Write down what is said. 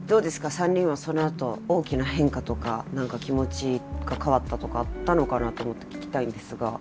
３人はそのあと大きな変化とか何か気持ちが変わったとかあったのかなと思って聞きたいんですが。